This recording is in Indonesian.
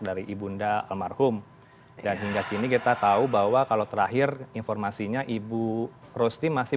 dari ibunda almarhum dan hingga kini kita tahu bahwa kalau terakhir informasinya ibu rosti masih